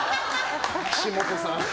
岸本さん。